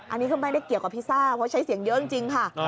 อันนี้ก็ไม่ได้เกี่ยวกับพิซซ่าเพราะใช้เสียงเยอะจริงค่ะ